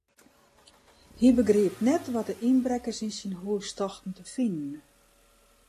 Hy begriep net wat de ynbrekkers yn syn hús tochten te finen.